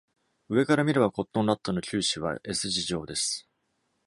上から見れば、コットンラットの臼歯は S 字状です。